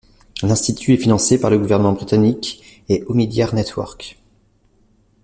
L'institut est financé par le gouvernement britannique et Omidyar Network.